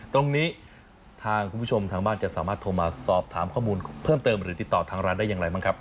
ตรงนี้ทางคุณผู้ชมทางบ้านจะสามารถโทรมาสอบถามข้อมูลเพิ่มเติมหรือติดต่อทางร้านได้อย่างไรบ้างครับ